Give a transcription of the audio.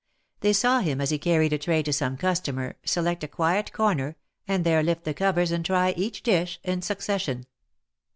They saw him as he carried a tray to some customer, select a quiet corner, and there lift the covers and try each dish in suc cession.